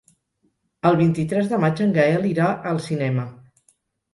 El vint-i-tres de maig en Gaël irà al cinema.